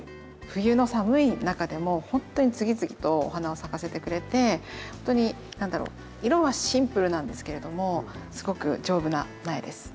冬の寒い中でもほんとに次々とお花を咲かせてくれてほんとに何だろう色はシンプルなんですけれどもすごく丈夫な苗です。